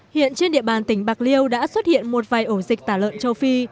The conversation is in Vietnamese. hiện trên địa bàn tỉnh bạc liêu đã xuất hiện một vài ổ dịch tả lợn châu phi